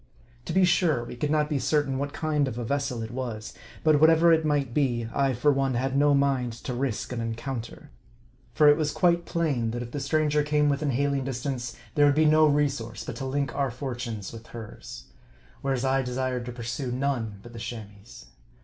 To be sure, we could not be certain what kind of a vessel it was ; but whatever it might be, I, for one, had no mind to risk an encounter ; for it was quite plain, that if the stranger came within hailing distance, there would be no resource but to link our fortunes with hers ; whereas I desired to pursue none but the Cham ois'.